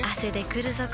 くるぞ？